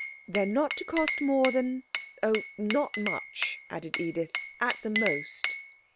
'They're not to cost more than oh! not much,' added Edith, 'at the most.'